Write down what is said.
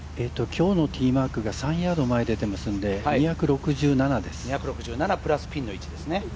今日のティーマークが３ヤード前に出ていますので２６７プラスピンの位置ですね